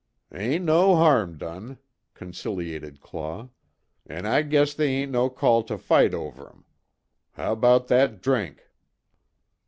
"Ain't no harm done," conciliated Claw, "An' I guess they ain't no call to fight over 'em. How about that drink?"